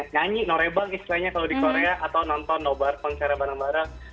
nyanyi no rebang istilahnya kalau di korea atau nonton no barfeng secara bareng bareng